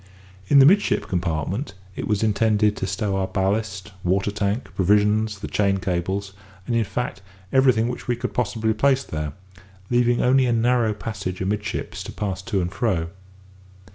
In the midship compartment it was intended to stow our ballast, water tank, provisions, the chain cables, and in fact everything which we could possibly place there, leaving only a narrow passage amidships to pass to and fro.